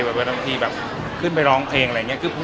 แบบเวลาทีแบบขึ้นไปร้องเพลงอะไรอย่างเงี้ย